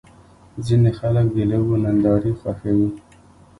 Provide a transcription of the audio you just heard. ځینې خلک د لوبو نندارې خوښوي.